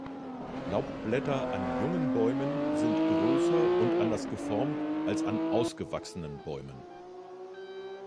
Laubblätter an jungen Bäumen sind größer und anders geformt als an ausgewachsenen Bäumen.